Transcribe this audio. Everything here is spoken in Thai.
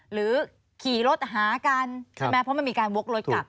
หรือขี่รถหากันใช่ไหมเพราะมันมีการวกรถกลับ